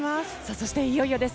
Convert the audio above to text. そしていよいよです。